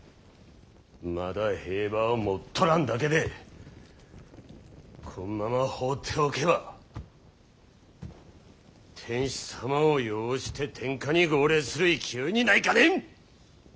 まだ兵馬を持っとらんだけでこんままほっておけば天子様を擁して天下に号令する勢いにないかねん。